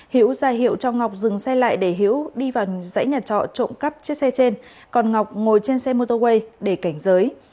hiễu ra hiệu cho ngọc dừng xe lại để hiểu đi vào dãy nhà trọ trộm cắp chiếc xe trên còn ngọc ngồi trên xe mô tô quay để cảnh giới